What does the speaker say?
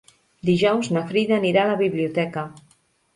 Dijous na Frida anirà a la biblioteca.